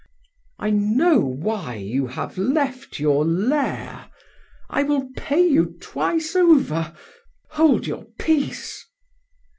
"I know why you have left your lair. I will pay you twice over. Hold your peace."